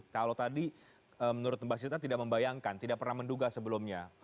kalau tadi menurut mbak sita tidak membayangkan tidak pernah menduga sebelumnya